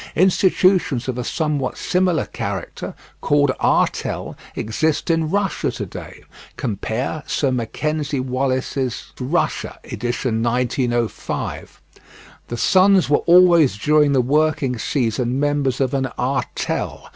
Institutions of a somewhat similar character, called "artel," exist in Russia to day, cf. Sir Mackenzie Wallace's "Russia," ed. 1905: "The sons ... were always during the working season members of an artel.